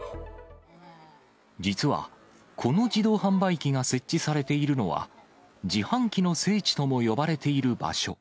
実はこの自動販売機が設置されているのは、自販機の聖地とも呼ばれている場所。